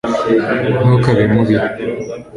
ntukabe mubi